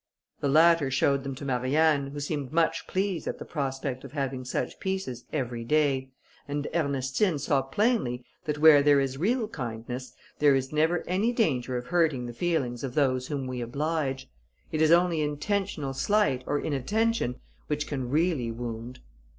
The latter showed them to Marianne, who seemed much pleased at the prospect of having such pieces every day, and Ernestine saw plainly that where there is real kindness, there is never any danger of hurting the feelings of those whom we oblige; it is only intentional slight, or inattention, which can really wound.